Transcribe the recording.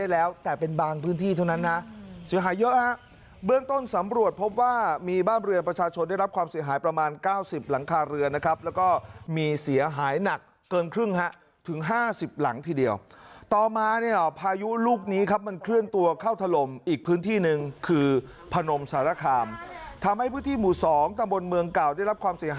แล้วแต่เป็นบางพื้นที่เท่านั้นนะเสียหายเยอะฮะเบื้องต้นสำรวจพบว่ามีบ้านเรือประชาชนได้รับความเสียหายประมาณเก้าสิบหลังคาเรือนนะครับแล้วก็มีเสียหายหนักเกินครึ่งฮะถึงห้าสิบหลังทีเดียวต่อมาเนี่ยพายุลูกนี้ครับมันเคลื่อนตัวเข้าถล่มอีกพื้นที่หนึ่งคือพนมสารคามทำให้พื้นที่หมู่๒ตำบลเมืองเก่าได้รับความเสียหาย